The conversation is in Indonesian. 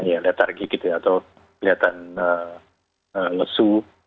ada targik gitu atau kelihatan lesu